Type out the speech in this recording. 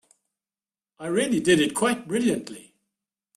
I really did it quite brilliantly.